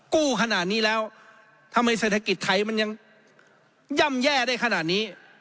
ขนาดนี้แล้วทำไมเศรษฐกิจไทยมันยังย่ำแย่ได้ขนาดนี้